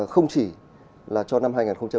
không chỉ là cho năm hai nghìn một mươi chín